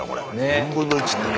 ４分の１ってね。